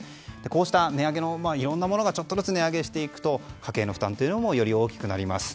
こうした、いろいろなものがちょっとずつ値上げしてくると家計の負担もより大きくなります。